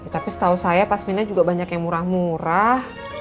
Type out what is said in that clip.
tapi setau saya pas minah juga banyak yang murah murah